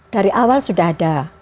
dari awal sudah ada